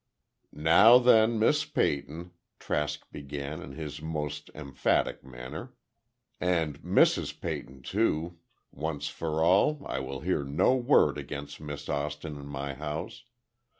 "Now then, Miss Peyton," Trask began, in his most emphatic manner, "and Mrs. Peyton, too, once for all, I will hear no word against Miss Austin in my house.